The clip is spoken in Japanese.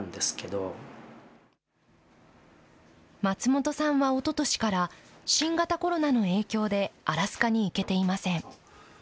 松本さんはおととしから、新型コロナの影響でアラスカに行けていません。